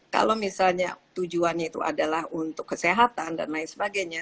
kalau misalnya tujuannya itu adalah untuk kesehatan dan lain sebagainya